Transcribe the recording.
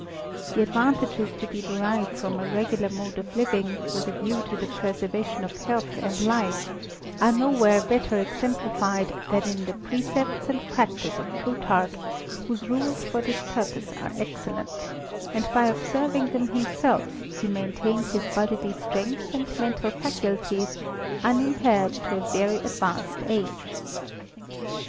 The advantages to be derived from a regular mode of living, with a view to the preservation of health and life, are nowhere better exemplified than in the precepts and practice of Plutarch, whose rules for this purpose are excellent; and by observing them himself, he maintained his bodily strength and mental faculties unimpaired to a very advanced age.